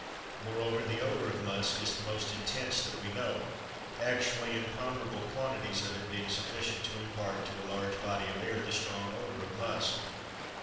Moreover, the odor of musk is the most intense that we know, actually imponderable quantities of it being sufficient to impart to a large body of air the strong odor of musk.